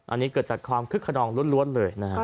อันนี้เกิดจากความคึกขนองล้วนเลยนะฮะ